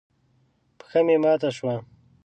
پښه مې ماته شوه.